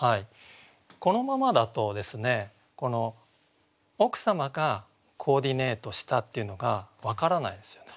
このままだとですね奥様がコーディネートしたっていうのが分からないですよね。